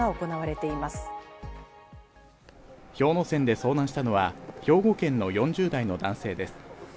山で遭難したのは兵庫県の４０代の男性です。